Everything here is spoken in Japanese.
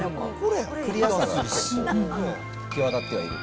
クリアさが際立ってはいる。